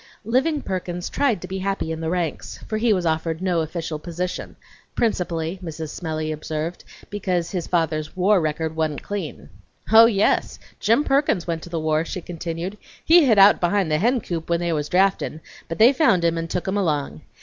Living Perkins tried to be happy in the ranks, for he was offered no official position, principally, Mrs. Smellie observed, because "his father's war record wa'nt clean." "Oh, yes! Jim Perkins went to the war," she continued. "He hid out behind the hencoop when they was draftin', but they found him and took him along.